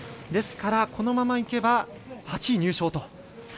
ですから、このままいけば８位入賞と。